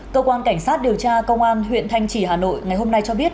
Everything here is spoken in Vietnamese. cơ quan cảnh sát điều tra công an huyện thanh trì hà nội ngày hôm nay cho biết